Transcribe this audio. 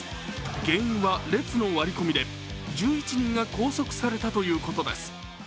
原因は列の割り込みで１１人が拘束されたということです。